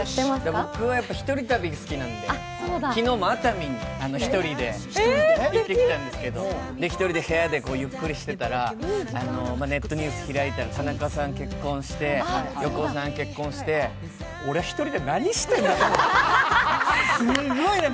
僕は１人旅が好きなので昨日も熱海に１人で行ってたんです１人で部屋でゆっくりしてたら、ネットニュース開いたら、田中さんが結婚して、横尾さんが結婚して、俺１人で何してるんだと。